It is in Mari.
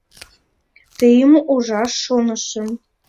Тыйым ужаш шонышым.